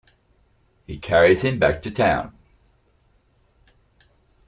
He carries him back to town.